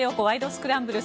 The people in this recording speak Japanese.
スクランブル」。